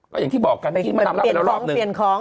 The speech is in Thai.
ก็อย่างที่บอกกันวันดำรับไว้ละรอบหนึ่ง